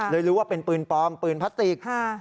เลยรู้ว่าเป็นปืนปลอมปืนพลาสติก